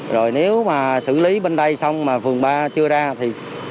rồi nếu mà xử lý bên đây xong mà phường ba chưa ra thì